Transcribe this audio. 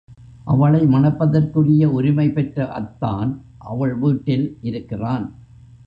அவளை மணப்பதற்குரிய உரிமை பெற்ற அத்தான் அவள் வீட்டில் இருக்கிறான்.